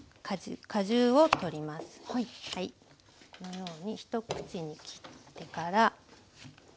このように一口に切ってから。